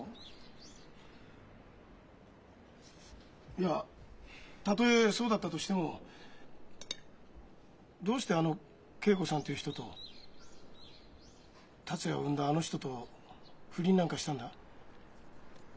いやたとえそうだったとしてもどうしてあの桂子さんという人と達也を産んだあの人と不倫なんかしたんだ？